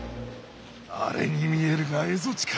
あれに見えるが蝦夷地か！